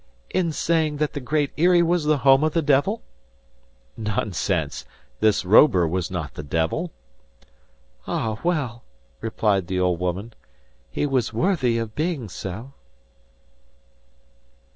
"In saying that the Great Eyrie was the home of the devil?" "Nonsense; this Robur was not the devil!" "Ah, well!" replied the old woman, "he was worthy of being so!"